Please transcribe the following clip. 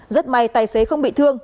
rất may tài xế không bị thương